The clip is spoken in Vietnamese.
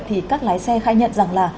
thì các lái xe khai nhận rằng là